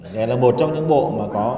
đây là một trong những bộ có triển khai sớm